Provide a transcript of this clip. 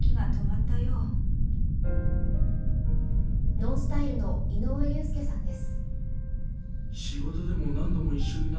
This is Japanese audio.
ＮＯＮＳＴＹＬＥの井上裕介さんです。